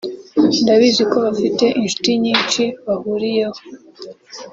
ndabizi ko bafite inshuti nyinshi bahuriyeho